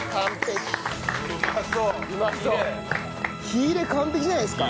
火入れ完璧じゃないですか？